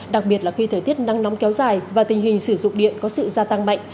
đặc biệt là khi thời tiết nắng nóng kéo dài và tình hình sử dụng điện có sự gia tăng mạnh